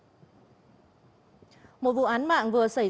cơ quan điều tra cường khai nhận toàn bộ hành vi phạm tội của mình